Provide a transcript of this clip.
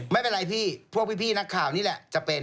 ไม่เป็นไรพี่พวกพี่นักข่าวนี่แหละจะเป็น